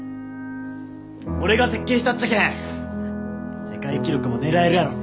俺が設計したっちゃけん世界記録も狙えるやろ。